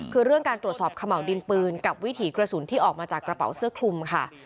คือเรื่องการตรวจสอบขม่าวดินปืนกับวิถีกระสุนที่ออกมาจากกระเป๋าเสื้อคลุมค่ะ